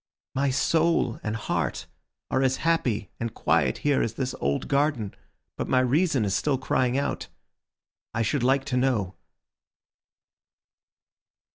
My soul and heart are as happy and quiet here as this old garden, but my reason is still crying out. I should like to know."